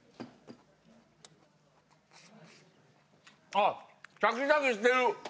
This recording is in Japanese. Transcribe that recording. ああシャキシャキしてる！